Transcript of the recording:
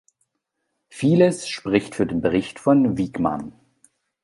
Vieles spricht für den Bericht Wijkman.